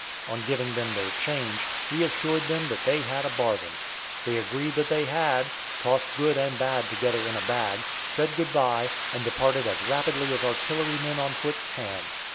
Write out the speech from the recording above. On giving them their change, he assured them that they had a bargain. They agreed that they had, tossed good and bad together in a bag, said good by, and departed as rapidly as artillerymen on foot can.